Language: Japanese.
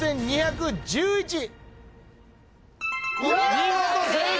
見事正解！